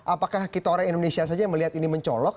apakah kitorang indonesia saja melihat ini mencolok